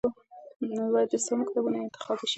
باید د سمو کتابونو انتخاب وشي.